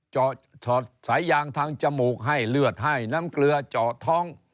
เจาะสอดสายยางทางจมูกให้เลือดให้น้ำเกลือเจาะท้อง